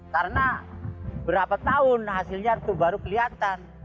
karena berapa tahun hasilnya itu baru kelihatan